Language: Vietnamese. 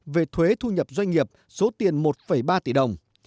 về thuế thu nhập doanh nghiệp số tiền một ba tỷ đồng